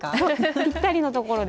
ぴったりのところで。